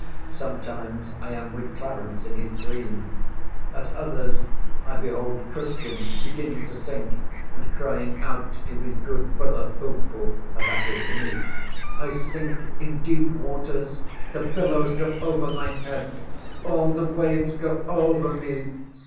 Sometimes I am with Clarence in his dream. At others, I behold Christian beginning to sink, and crying out to his good brother Hopeful (that is to me), "I sink in deep waters; the billows go over my head, all the waves go over me.